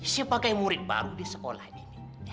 siapakah murid baru di sekolah ini